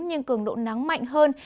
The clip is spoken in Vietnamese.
nhưng cường độ nắng mạnh hơn